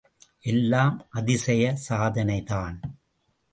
எல்லாம் அதிசய சாதனைதான்.